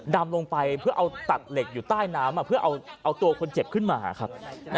ดำลงไปเพื่อเอาตัดเหล็กอยู่ใต้น้ำเพื่อเอาตัวคนเจ็บขึ้นมาครับ